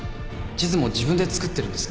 地図も自分で作ってるんです